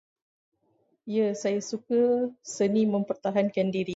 Ya, saya suka seni mempertahankan diri.